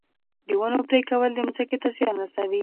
د ونو پرې کول ځمکې ته زیان رسوي